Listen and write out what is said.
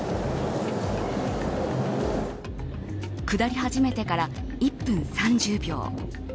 下り始めてから１分３０秒。